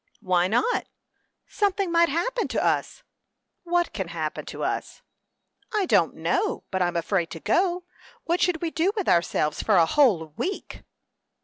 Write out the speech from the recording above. "Why not?" "Something might happen to us." "What can happen to us?" "I don't know; but I'm afraid to go. What should we do with ourselves for a whole week?"